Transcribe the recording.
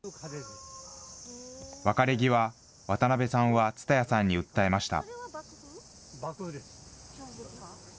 別れ際、渡邊さんは蔦谷さんに訴えました。